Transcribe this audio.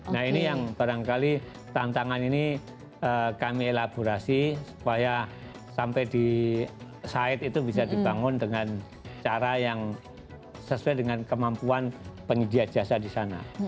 nah ini yang barangkali tantangan ini kami elaborasi supaya sampai di site itu bisa dibangun dengan cara yang sesuai dengan kemampuan penyedia jasa di sana